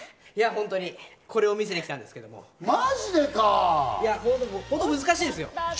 本当にこれを見せに来たんですけれども、難しいんですよ。